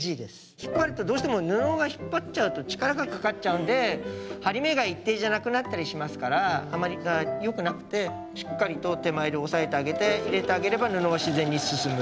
引っ張るとどうしても布が引っ張っちゃうと力がかかっちゃうんで針目が一定じゃなくなったりしますからあまりよくなくてしっかりと手前で押さえてあげて入れてあげれば布は自然に進む。